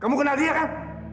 kamu kenal dia kan